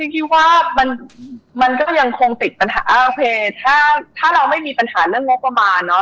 พี่ว่ามันก็ยังคงติดปัญหาโอเคถ้าเราไม่มีปัญหาเรื่องงบประมาณเนาะ